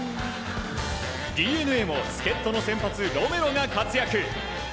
ＤｅＮＡも助っ人の先発ロメロが活躍。